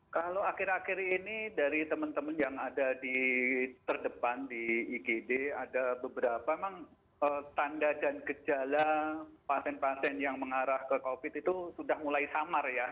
kalau akhir akhir ini dari teman teman yang ada di terdepan di igd ada beberapa memang tanda dan gejala pasien pasien yang mengarah ke covid itu sudah mulai samar ya